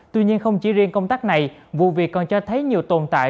tuy nhiên không chỉ riêng công tác này vụ việc còn cho thấy nhiều tồn tại